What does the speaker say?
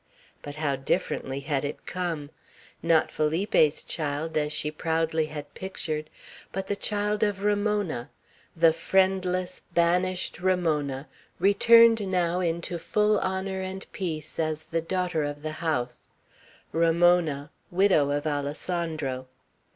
But how differently had it come! Not Felipe's child, as she proudly had pictured, but the child of Ramona: the friendless, banished Ramona returned now into full honor and peace as the daughter of the house, Ramona, widow of Alessandro.